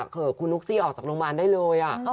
เผื่อคุณนุ๊กซี่ออกจากโรงพยาบาลได้เลย